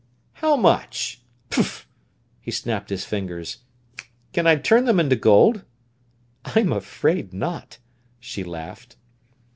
"How much? Pf!" He snapped his fingers. "Can I turn them into gold?" "I'm afraid not," she laughed.